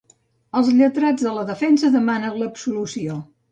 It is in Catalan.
Els lletrats de la defensa demanen l'absolució.